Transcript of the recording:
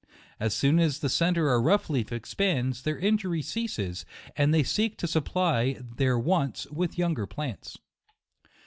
As soon as the centre or rough leaf expands, their injury ceases, and they seek to supply their wants with younger plants.